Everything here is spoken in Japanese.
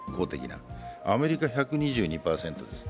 アメリカは１２２％です。